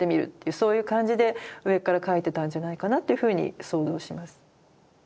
そういう感じで上から描いてたんじゃないかなっていうふうに想像します。